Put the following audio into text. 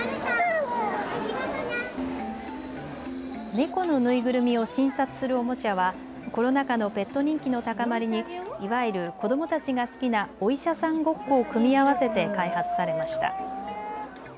猫の縫いぐるみを診察するおもちゃはコロナ禍のペット人気の高まりにいわゆる子どもたちが好きなお医者さんごっこを組み合わせて開発されました。